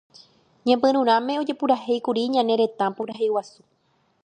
Ñepyrũrãme ojepurahéikuri Ñane Retã Purahéi Guasu.